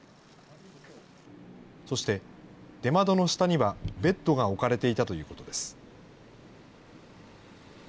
そして、出窓の下にはベッドが置かれていたということです。